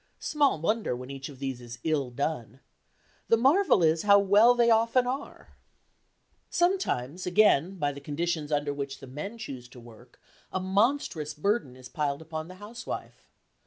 Small wonder when each of these is ill done. The marvel is how well done they often are. Sometimes, again, by the conditions under which the men choose to work, a monstrous burden is piled upon the housewife.